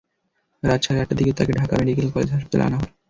রাত সাড়ে আটটার দিকে তাঁকে ঢাকা মেডিকেল কলেজ হাসপাতালে আনা হয়।